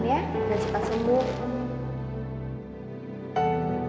ulang pederhan di ocarina cent applause